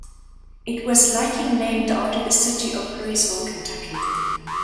It was likely named after the city of Louisville, Kentucky.